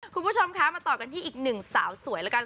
คุณผู้ชมคะมาต่อกันที่อีกหนึ่งสาวสวยแล้วกัน